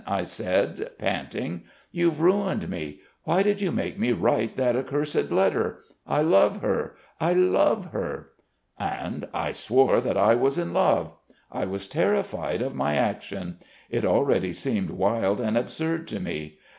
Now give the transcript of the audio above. I said panting. 'You've ruined me! Why did you make me write that cursed letter? I love her! I love her!' "And I swore that I was in love. I was terrified of my action. It already seemed wild and absurd to me.